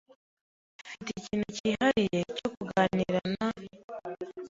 Mfite ikintu cyihariye cyo kuganira na